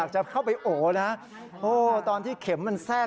ขอบคุณพี่ไทยที่ขอบคุณพี่ไทย